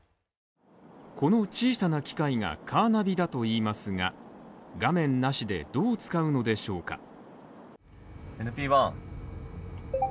この小さな機械がカーナビだといいますが画面なしで、どう使うのでしょうか。